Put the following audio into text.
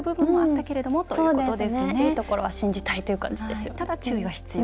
いいところは信じたいということですね。